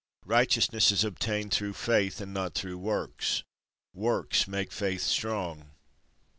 Righteousness is obtained through faith, and not through works. Works make faith strong.